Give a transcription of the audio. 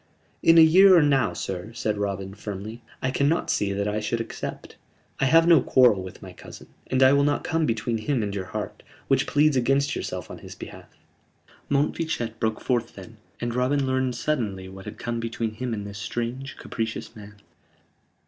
"In a year or now, sir," said Robin, firmly, "I cannot see that I should accept. I have no quarrel with my cousin, and I will not come between him and your heart which pleads against yourself on his behalf." Montfichet broke forth then, and Robin learned suddenly what had come between him and this strange, capricious man.